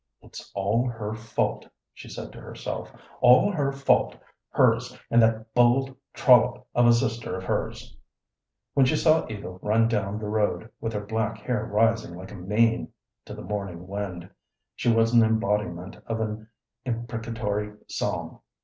"It is all her fault," she said to herself "all her fault hers and that bold trollop of a sister of hers." When she saw Eva run down the road, with her black hair rising like a mane to the morning wind, she was an embodiment of an imprecatory psalm.